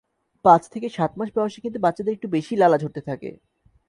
পাঁচ থেকে সাত মাস বয়সে কিন্তু বাচ্চাদের একটু বেশিই লালা ঝরতে থাকে।